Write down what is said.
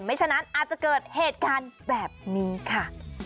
ฉะนั้นอาจจะเกิดเหตุการณ์แบบนี้ค่ะ